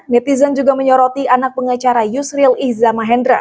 netizen juga menyoroti anak pengacara yusri lajar